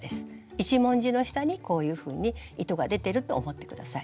一文字の下にこういうふうに糸が出てると思って下さい。